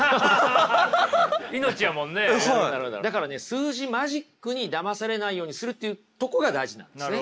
数字マジックにだまされないようにするっていうとこが大事なんですね。